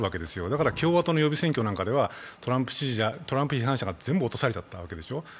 だから共和党の予備選挙なんかではトランプ批判者が全部落とされちゃったわけでしょう。